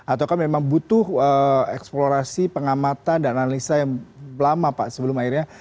ataukah memang butuh eksplorasi pengamatan dan analisa yang lama pak sebelum akhirnya